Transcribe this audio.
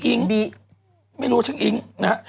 คุณหมอโดนกระช่าคุณหมอโดนกระช่า